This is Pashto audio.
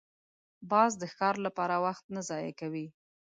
باز د ښکار لپاره وخت نه ضایع کوي